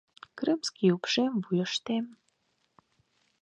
Крымский упшем вуйыштем.